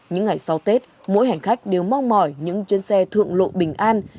những ngày sau tết mỗi hành khách đều mong mỏi những chuyến xe thượng lộ bình an